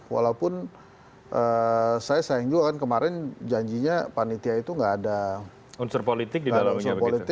walaupun saya sayang juga kan kemarin janjinya panitia itu nggak ada unsur politik